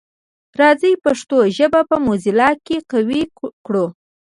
راځی پښتو ژبه په موزیلا کي قوي کړو.